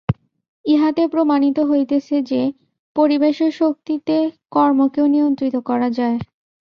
ইহাতে প্রমাণিত হইতেছে যে, পরিবেশের শক্তিতে কর্মকেও নিয়ন্ত্রিত করা যায়।